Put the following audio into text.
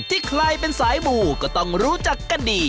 ที่ใครเป็นสายหมู่ก็ต้องรู้จักกันดี